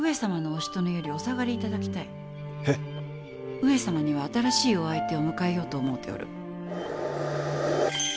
上様には新しいお相手を迎えようと思うておる。